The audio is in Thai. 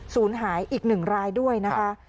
ศูนย์หายอีก๑รายด้วยนะคะ